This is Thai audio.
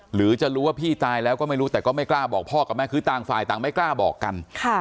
หรือจะรู้ว่าพี่ตายแล้วก็ไม่รู้แต่ก็ไม่กล้าบอกพ่อกับแม่คือต่างฝ่ายต่างไม่กล้าบอกกัน